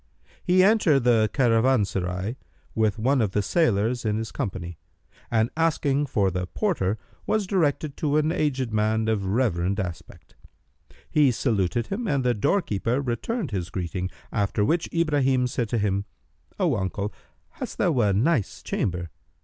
He entered the caravanserai, with one of the sailors in his company; and, asking for the porter, was directed to an aged man of reverend aspect. He saluted him and the doorkeeper returned his greeting; after which Ibrahim said to him, "O uncle, hast thou a nice chamber?"